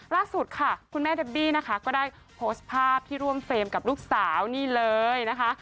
ล่าสุดค่ะคุณแม่เดบบี้นะคะก็ได้โพสต์ภาพที่ร่วมเฟรมกับลูกสาวนี่เลยนะคะ